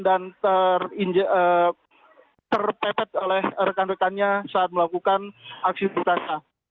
dan terpepet oleh rekan rekannya saat melakukan aksi bukasa